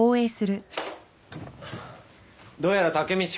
どうやらタケミチ